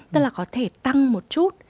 tức là có thể tăng một chút